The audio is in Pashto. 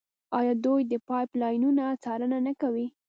آیا دوی د پایپ لاینونو څارنه نه کوي؟